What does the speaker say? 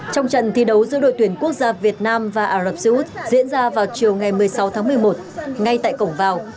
trong trận thi đấu giữa đội tuyển quốc gia việt nam và ả rập xê út diễn ra vào chiều ngày một mươi sáu tháng một mươi một ngay tại cổng vào